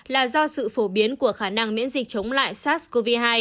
là do sự phổ biến của khả năng miễn dịch chống lại sars cov hai